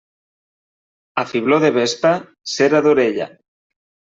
A fibló de vespa, cera d'orella.